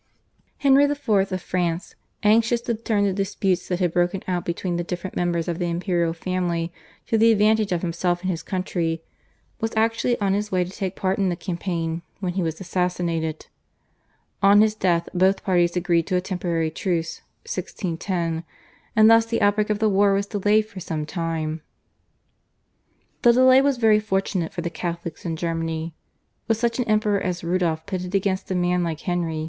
Henry IV. of France, anxious to turn the disputes that had broken out between the different members of the imperial family to the advantage of himself and his country, was actually on his way to take part in the campaign when he was assassinated. On his death both parties agreed to a temporary truce (1610), and thus the outbreak of the war was delayed for some time. This delay was very fortunate for the Catholics in Germany. With such an Emperor as Rudolph pitted against a man like Henry IV.